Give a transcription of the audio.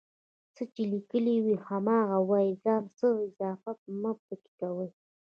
څه چې ليکلي وي هماغه وايئ ځان څخه اضافه مه پکې کوئ